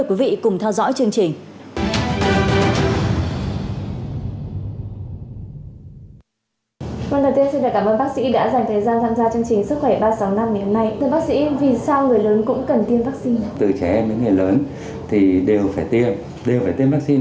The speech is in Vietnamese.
từ trẻ em đến người lớn thì đều phải tiêm đều phải tiêm vaccine